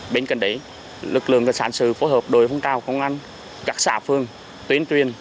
bên cạnh đấy lực lượng ngân sản sự phối hợp đội phong trào công an các xã phương tuyến truyền